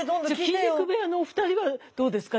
筋肉部屋のお二人はどうですか？